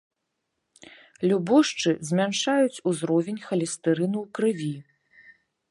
Любошчы змяншаюць узровень халестэрыну ў крыві.